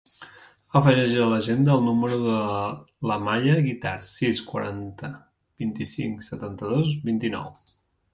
Afegeix a l'agenda el número de l'Amaya Guitart: sis, quaranta, vint-i-cinc, setanta-dos, vint-i-nou.